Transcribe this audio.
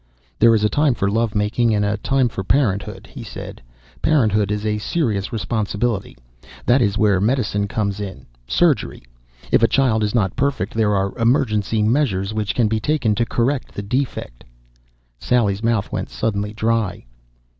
"There is a time for love making and a time for parenthood," he said. "Parenthood is a serious responsibility. That is where medicine comes in, surgery. If a child is not perfect there are emergency measures which can be taken to correct the defect." Sally's mouth went suddenly dry.